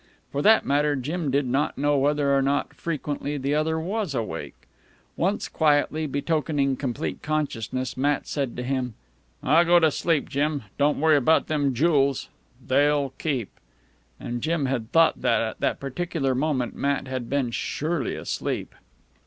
For that matter, Jim did not know whether or not, frequently, the other was awake. Once, quietly, betokening complete consciousness, Matt said to him: "Aw, go to sleep, Jim. Don't worry about them jools. They'll keep." And Jim had thought that at that particular moment Matt had been surely asleep.